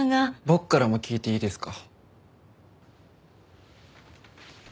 僕からも聞いていいですか？